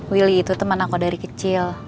willy itu teman aku dari kecil